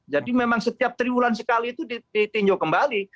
jadi memang setiap triwulan sekali itu ditinjau kembali